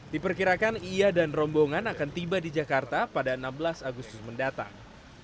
diperkirakan ia dan rombongan akan tiba di jakarta pada enam belas agustus mendatang